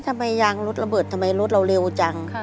ทำไงยางรถระเบิดทำระโรคเราเร็วจัง